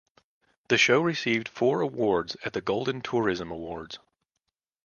The show received four awards at Golden Tourism Awards.